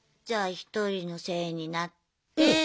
じゃあ１人のせいになって。